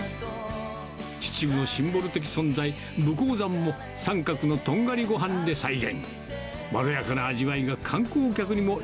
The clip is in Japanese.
秩父のシンボル的存在、武甲山も、三角のとんがりごはんで再現。